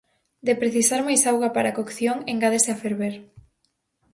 De precisar máis auga para a cocción, engádese a ferver.